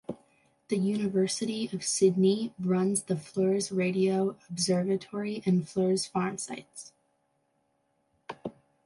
The University of Sydney runs the Fleurs Radio Observatory and Fleurs Farm sites.